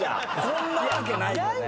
こんなわけないよね。